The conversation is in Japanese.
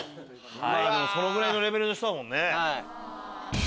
そのぐらいのレベルの人だもんね。